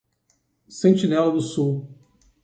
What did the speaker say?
Sentinela do Sul